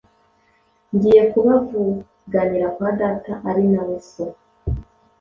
Ngiye kubavuganira kwa Data ari na we So.